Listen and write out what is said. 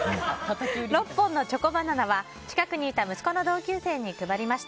６本のチョコバナナは近くにいた息子の同級生に配りました。